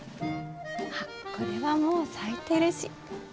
あっこれはもう咲いてるし。